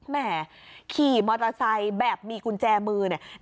แห่ขี่มอเตอร์ไซค์แบบมีกุญแจมือเนี่ย